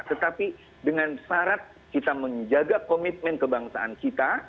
tetapi dengan syarat kita menjaga komitmen kebangsaan kita